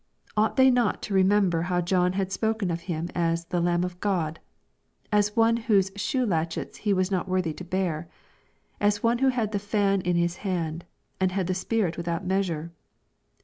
" Ought they not to remember how John had spoken of Him as the Lamb of God, — ^as One whose shoe latchets he was not worthy to bear, — as One who had the fan. in His hand, and had the Spirit without measure